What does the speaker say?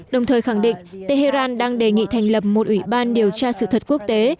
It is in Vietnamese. đồng thời khẳng định tehran đang đề nghị thành lập một ủy ban điều tra sự thật quốc tế